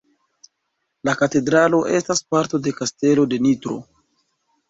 La katedralo estas parto de Kastelo de Nitro.